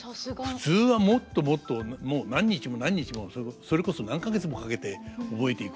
普通はもっともっともう何日も何日もそれこそ何か月もかけて覚えていくものですから。